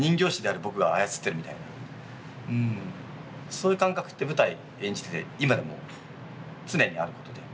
そういう感覚って舞台演じてて今でも常にあることで。